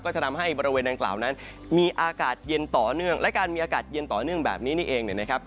ซึ่งถ้าหากใครไปบริเวณพื้นที่ทางตอนบนไปเที่ยวเกาหลีไปเที่ยวจีนไปเที่ยวญี่ปุ่นเนี่ยนะครับ